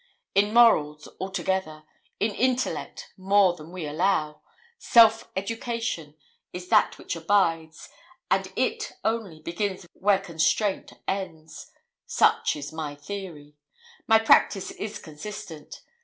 In morals, altogether in intellect, more than we allow self education is that which abides; and it only begins where constraint ends. Such is my theory. My practice is consistent.